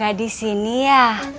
gak disini ya